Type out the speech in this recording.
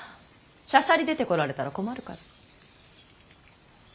しゃしゃり出てこられたら困るから。